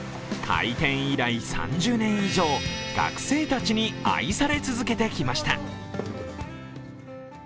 開店以来３０年以上学生たちに愛され続けてきました。